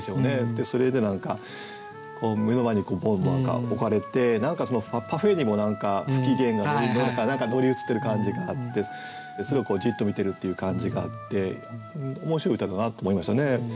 でそれで目の前にボンッなんか置かれてパフェにも何か不機嫌が乗り移ってる感じがあってそれをじっと見てるっていう感じがあって面白い歌だなと思いましたね。